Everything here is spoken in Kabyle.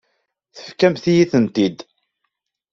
Tefkamt-iyi-tent-id.